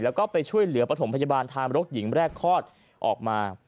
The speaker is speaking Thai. แล้วก็ไปช่วยเหลือปฐมพยาบาลทางรกหญิงแรกคลอดออกมา